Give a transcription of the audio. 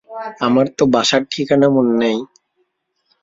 আমার তো বাসার ঠিকানা মনে নেই।